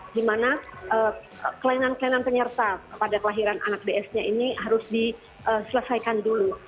di mana kelainan kelainan penyerta pada kelahiran anak ds nya ini harus diselesaikan dulu